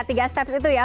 tiga steps itu ya